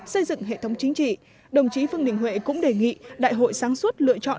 xây dựng hệ thống chính trị đồng chí vương đình huệ cũng đề nghị đại hội sáng suốt lựa chọn